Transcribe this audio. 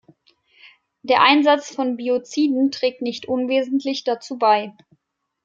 Der Einsatz von Bioziden trägt nicht unwesentlich dazu bei.